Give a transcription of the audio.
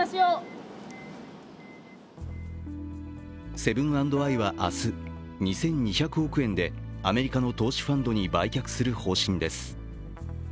セブン＆アイは明日、２２００億円でアメリカの投資ファンドに売却する方針です。